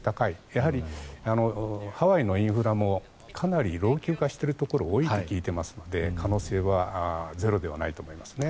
やはり、ハワイのインフラもかなり老朽化しているところが多いと聞いていますので可能性はゼロではないと思いますね。